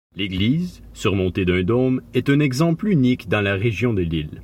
L'église, surmontée d'un dôme, est un exemple unique dans la région de Lille.